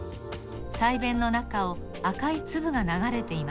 鰓弁の中を赤いつぶがながれています。